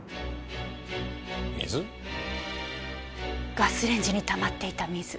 ガスレンジに溜まっていた水。